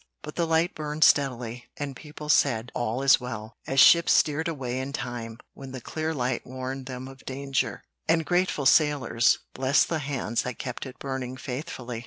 But the light burned steadily, and people said, 'All is well,' as ships steered away in time, when the clear light warned them of danger, and grateful sailors blessed the hands that kept it burning faithfully."